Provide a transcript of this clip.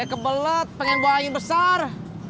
saya kebelet pengen buang air besar